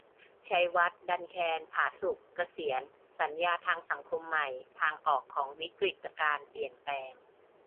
ชัยวัฒน์ ดันแคน ผาสุก เกษียร - สัญญาทางสังคมใหม่ : ทางออกของวิกฤติการเปลี่ยนแปลง